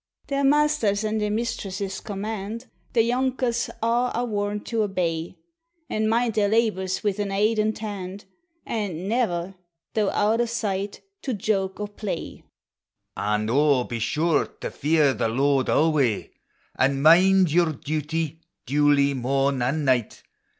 Their master's an' their mistress's command, The youukers a' are warned to obey ; And mind their labors wi' an eydent * hand, And ne'er, though out o' sight, to jauk or play; " An' O, be sure to fear the Lord alway ! An' mind your duty, duly, morn an' night!